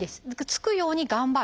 つくように頑張る。